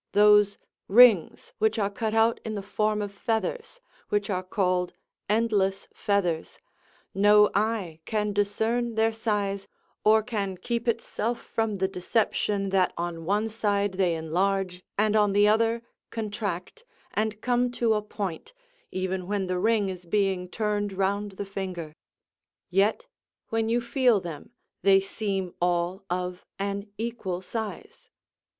Those rings which are cut out in the form of feathers, which are called endless feathers, no eye can discern their size, or can keep itself from the deception that on one side they enlarge, and on the other contract, and come So a point, even when the ring is being turned round the finger; yet, when you feel them, they seem all of an equal size.